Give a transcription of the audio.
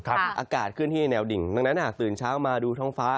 อากาศขึ้นที่แนวดิ่งดังนั้นหากตื่นเช้ามาดูท้องฟ้า